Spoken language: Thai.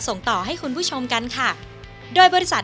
วันนี้ขอบคุณพี่อมนต์มากเลยนะครับ